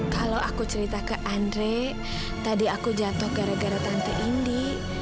kalau aku cerita ke andre tadi aku jatuh gara gara tante indi